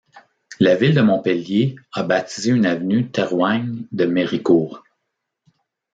La ville de Montpellier a baptisé une avenue Théroigne de Méricourt.